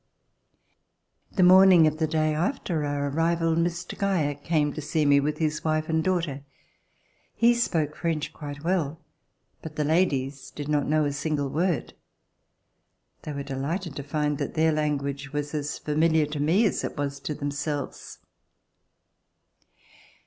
The morning of the day after our arrival, Mr. Geyer came to see me with his wife and daughter. He spoke French quite well, but the ladies did not know a single word. They were delighted to find that their language was as familiar to me as it was to themselves.